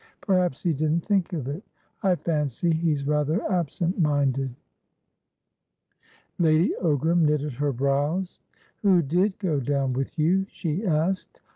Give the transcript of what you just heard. Perhaps he didn't think of it; I fancy he's rather absentminded." Lady Ogram knitted her brows. "Who did go down with you?" she asked.